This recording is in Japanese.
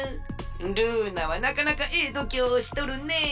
ルーナはなかなかええどきょうをしとるねえ。